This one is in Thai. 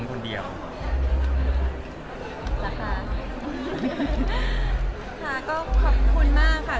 ค่ะก็ขอบคุณมากค่ะ